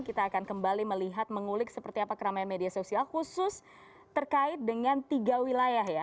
kita akan kembali melihat mengulik seperti apa keramaian media sosial khusus terkait dengan tiga wilayah ya